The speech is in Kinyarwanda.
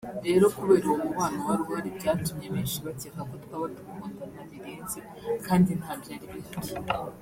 rero kubera uwo mubano wari uhari byatumye benshi bakeka ko twaba dukundana birenze kandi ntabyari bihari